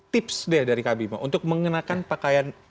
tips deh dari kak bima untuk mengenakan pakaian